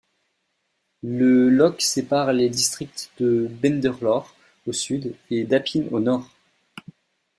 Le loch sépare les districts de Benderloch au sud et d'Appin au nord.